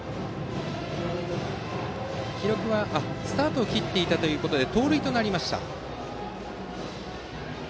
スタートを切っていたということで記録は盗塁となりました。